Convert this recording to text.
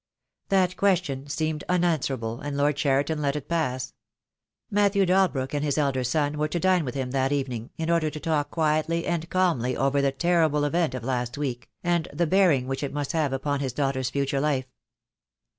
That question seemed unanswerable, and Lord Cheri ton let it pass. Matthew Dalbrook and his elder son were to dine with him that evening, in order to talk quietly and calmly over the terrible event of last week, and the bearing which it must have upon his daughter's future life.